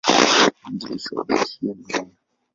Mwanzilishi wa bendi hiyo ni Bw.